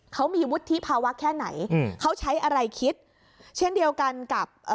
เขามีวุฒิภาวะแค่ไหนอืมเขาใช้อะไรคิดเช่นเดียวกันกับเอ่อ